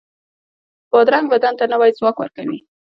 بادرنګ بدن ته نوی ځواک ورکوي.